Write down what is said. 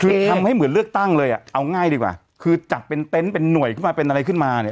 คือทำให้เหมือนเลือกตั้งเลยอ่ะเอาง่ายดีกว่าคือจัดเป็นเต็นต์เป็นหน่วยขึ้นมาเป็นอะไรขึ้นมาเนี่ย